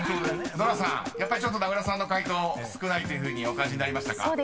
［ノラさん名倉さんの解答少ないというふうにお感じになりましたか？］